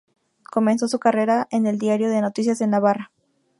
Comenzó su carrera en el "Diario de Noticias" de Navarra.